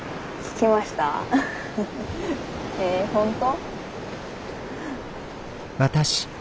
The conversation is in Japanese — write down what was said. へえ本当？